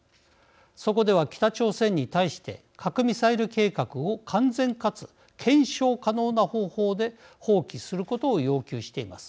そこでは北朝鮮に対して核・ミサイル計画を完全かつ、検証可能な方法で放棄することを要求しています。